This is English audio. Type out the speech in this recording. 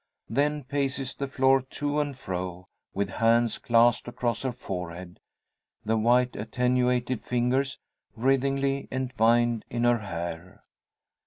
Then paces the floor to and fro, with hands clasped across her forehead, the white attenuated fingers writhingly entwined in her hair.